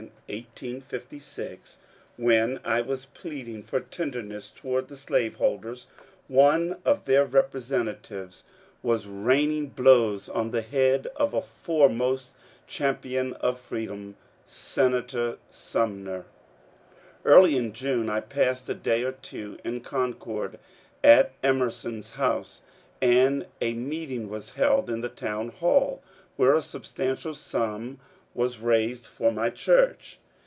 856),jwhen I was pleading for tenderness toward the slavenotdets, one of their representatives was raining blows on the head of a fore most champion of freedom. Senator Sumner ! .Early in June I passed a day or two in Concord at Emer son s house, and a meeting was held in the town hall, where a substantial sum was raised for my church.